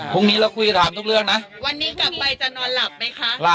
พรุ่งนี้เราคุยถามทุกเรื่องนะ